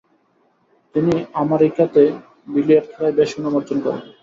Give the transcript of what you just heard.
তিনি আমারিকাতে বিলিয়ার্ড খেলায় বেশ সুনাম অর্জন করেন।